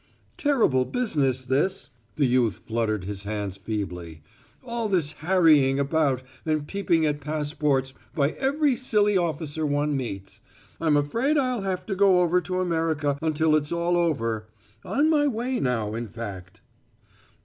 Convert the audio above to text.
"Terrible business, this!" The youth fluttered his hands feebly. "All this harrying about and peeping at passports by every silly officer one meets. I'm afraid I'll have to go over to America until it's all over on my way now, in fact."